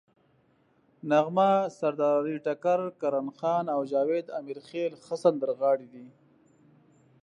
نغمه، سردارعلي ټکر، کرن خان او جاوید امیرخیل ښه سندرغاړي دي.